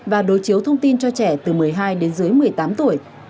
và đối chiếu thông tin cho trẻ từ một mươi hai đến dưới một mươi tám tuổi